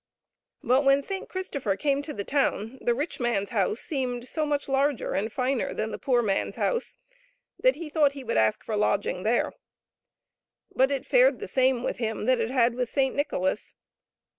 But when Saint Christopher came to the town, the rich man's house seemed so much larger and finer than the poor man's house, that he thought that he would ask for lodging there. But it fared the same with him that it had with Saint Nicholas.